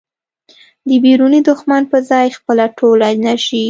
د بیروني دښمن په ځای خپله ټوله انرژي